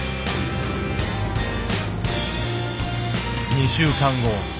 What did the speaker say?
２週間後。